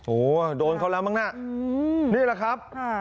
โอ้โหเดินเขาแล้วครับ